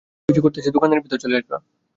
যদি কেউ কিছু করতে আসে দোকানের ভিতরে চলে আসবা।